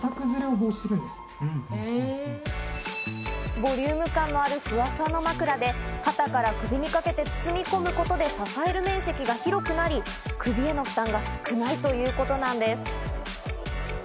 ボリューム感のあるふわふわな枕で肩から首にかけて包み込むことで支える面積が広くなり、首への負担が少ないということなんです。